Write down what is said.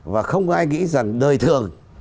và không ai nghĩ rằng đời thường